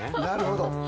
なるほど。